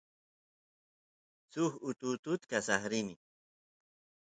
suk ututut kasay rini